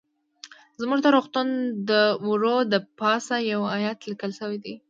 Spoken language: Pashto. زموږ د روغتون د وره د پاسه يو ايت ليکل شوى ديه.